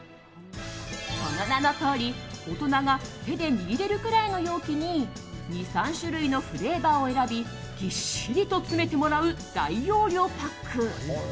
その名のとおり大人が手で握れるくらいの容器に２３種類のフレーバーを選びぎっしりと詰めてもらう大容量パック。